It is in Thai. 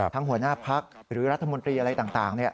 หัวหน้าพักหรือรัฐมนตรีอะไรต่าง